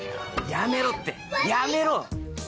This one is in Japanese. やめろって、やめろ。